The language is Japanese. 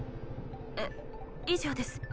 えっ以上です